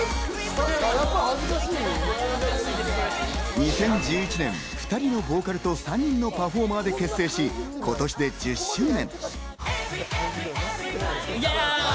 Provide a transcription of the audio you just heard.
２０１１年、２人のボーカルと３人のパフォーマーで結成し、今年で１０周年。